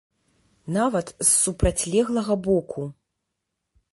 Нават з супрацьлеглага боку.